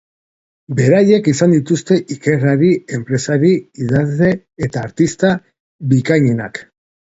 Beraiek izan dituzte ikerlari, enpresari, idazle eta artista bikainenak.